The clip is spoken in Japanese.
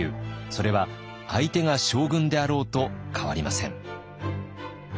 それは相手が将軍であろうと変わりません。